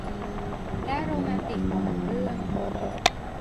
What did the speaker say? และโรแมนติกของหนังเรื่อง